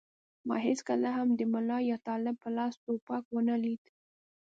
ما هېڅکله هم د ملا یا طالب په لاس ټوپک و نه لید.